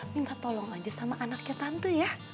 minta tolong aja sama anaknya tante ya